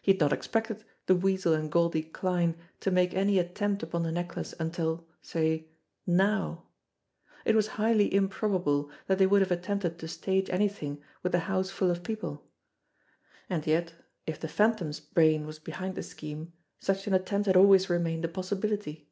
He had not expected the Weasel and Goldie Kline to make any attempt upon the necklace until, say nozv. It was highly improbable that they would have attempted to stage anything with the house full of people ; and yet, if the Phantom's brain was behind the scheme, such an attempt had always remained a possi bility.